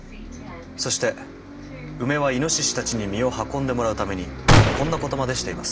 そしてウメはイノシシたちに実を運んでもらうためにこんなことまでしています。